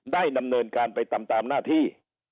ได้ดำเนินการไปตามหน้าที่